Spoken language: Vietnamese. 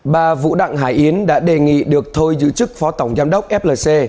bà vũ đặng hải yến đã đề nghị được thôi giữ chức phó tổng giám đốc flc